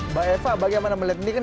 mbak eva bagaimana melihat ini kan